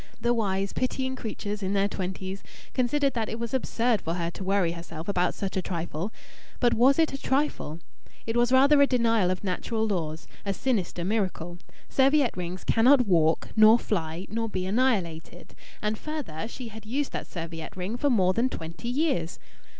The wise, pitying creatures in their twenties considered that it was absurd for her to worry herself about such a trifle. But was it a trifle? It was rather a denial of natural laws, a sinister miracle. Serviette rings cannot walk, nor fly, nor be annihilated. And further, she had used that serviette ring for more than twenty years.